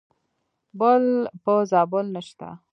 بل په زابل نشته .